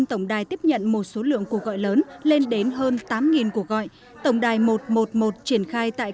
tổng đài tiếp nhận một số lượng cuộc gọi lớn lên đến hơn tám cuộc gọi tổng đài một trăm một mươi một triển khai tại